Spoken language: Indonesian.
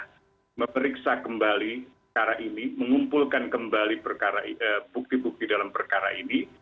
saya tidak akan memeriksa kembali cara ini mengumpulkan kembali bukti bukti dalam perkara ini